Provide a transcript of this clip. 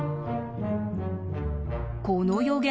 この予言